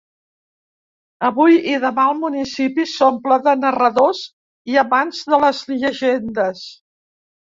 Avui i demà el municipi s’omple de narradors i amants de les llegendes.